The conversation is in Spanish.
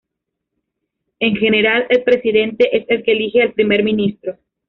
En general, el presidente es el que elije al primer ministro.